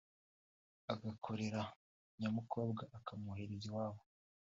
agakorera nyamukobwa akamwohereza iwabo